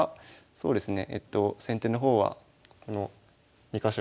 そうですね。